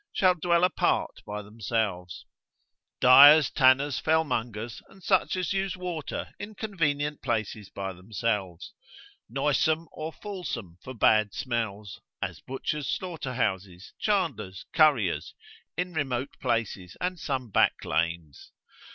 shall dwell apart by themselves: dyers, tanners, fellmongers, and such as use water in convenient places by themselves: noisome or fulsome for bad smells, as butchers' slaughterhouses, chandlers, curriers, in remote places, and some back lanes.